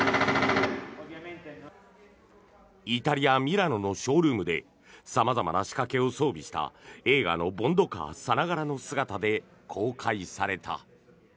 イタリア・ミラノのショールームで様々な仕掛けを装備した映画のボンドカーさながらの姿で公開された。